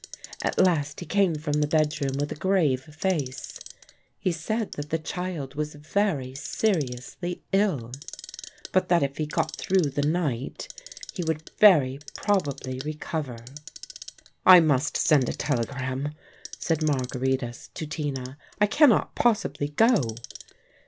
At last he came from the bedroom with a grave face. He said that the child was very seriously ill, but that if he got through the night he would very probably recover. "I must send a telegram," said Margaritis to Tina. "I cannot possibly go."